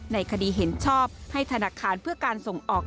ในคดีเห็นชอบให้ธนาคารเพื่อการส่งออก